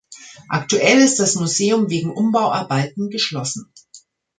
Aktuell ist das Museum wegen Umbauarbeiten geschlossen.